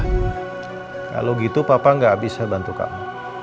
kalau gitu papa nggak bisa bantu kamu